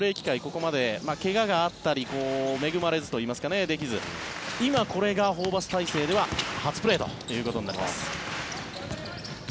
ここまで怪我があって恵まれずといいますか、できず今、これがホーバス体制では初プレーということになります。